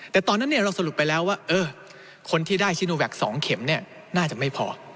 แต่ตอนนั้นเนี่ยเราสรุปไปแล้วว่าเออคนที่ได้ชิโนแวค๒เข็มเนี่ยน่าจะไม่พอ